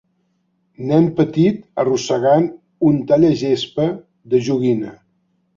Nen petit arrossegant un tallagespa de joguina.